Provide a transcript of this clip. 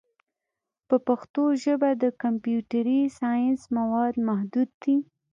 په پښتو ژبه د کمپیوټري ساینس مواد محدود دي.